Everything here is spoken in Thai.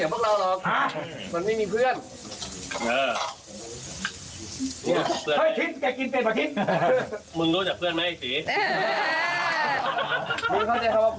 อย่ายังไอ้สีมันไม่มีเรื่องนี้แล้วมานั่งกินกับพวกเรารอก